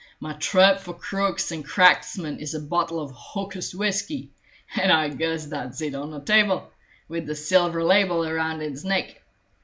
"My trap for crooks and cracksmen is a bottle of hocussed whiskey, and I guess that's it on the table, with the silver label around its neck.